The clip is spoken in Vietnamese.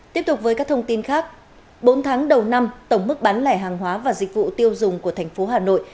tiếp tục với các thông tin khác bốn tháng đầu năm tổng mức bán lẻ hàng hóa và dịch vụ tiêu dùng của thành phố hà nội